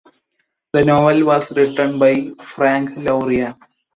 The novel was written by Frank Lauria.